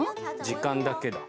時間だけだ。